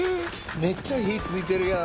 めっちゃ火ついてるやん。